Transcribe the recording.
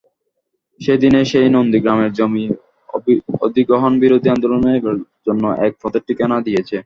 সেদিনের সেই নন্দীগ্রামের জমি অধিগ্রহণবিরোধী আন্দোলন এবার অন্য এক পথের ঠিকানা দিয়েছে।